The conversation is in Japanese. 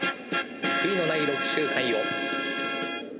悔いのない６周回を。